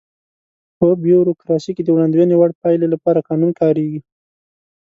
په بیوروکراسي کې د وړاندوينې وړ پایلې لپاره قانون کاریږي.